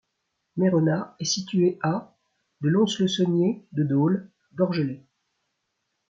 Mérona est située à de Lons-le-Saunier, de Dole, d'Orgelet.